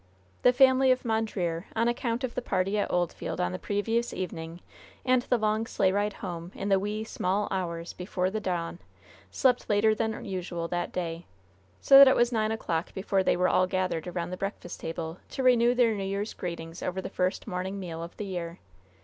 The family of Mondreer, on account of the party at Oldfield on the previous evening, and the long sleigh ride home "in the wee, sma' hours" before the dawn, slept later than usual that day, so that it was nine o'clock before they were all gathered around the breakfast table, to renew their New Year's greetings over the first morning meal of the year.